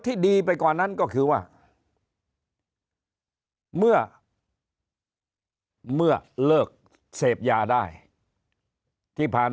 ดีไปกว่านั้นก็คือว่าเมื่อเลิกเสพยาได้ที่ผ่าน